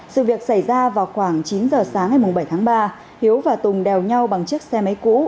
sự việc xảy ra vào khoảng chín giờ sáng ngày bảy tháng ba hiếu và tùng đèo nhau bằng chiếc xe máy cũ